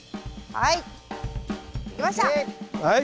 はい。